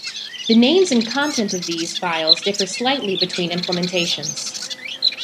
The names and content of these files differ slightly between implementations.